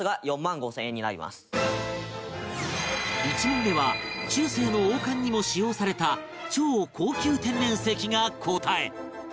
１問目は中世の王冠にも使用された超高級天然石が答え